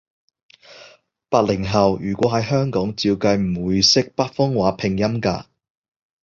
八零後，如果喺香港，照計唔會識北方話拼音㗎